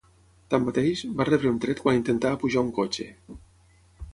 Tanmateix, va rebre un tret quan intentava pujar a un cotxe.